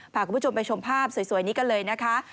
พาคุณผู้ชมไปชมภาพสวยนี้กันเลยนะคะ